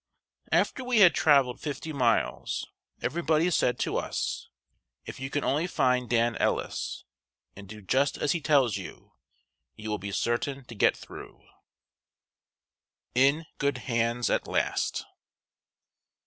After we had traveled fifty miles, everybody said to us, "If you can only find Dan Ellis, and do just as he tells you, you will be certain to get through." [Sidenote: IN GOOD HANDS AT LAST.